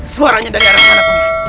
suaranya dari arah mana pak man